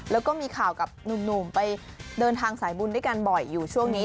แล้วก็มีข่าวกับหนุ่มไปเดินทางสายบุญด้วยกันบ่อยอยู่ช่วงนี้